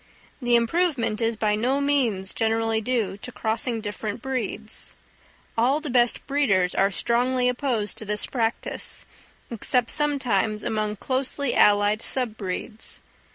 The improvement is by no means generally due to crossing different breeds; all the best breeders are strongly opposed to this practice, except sometimes among closely allied sub breeds.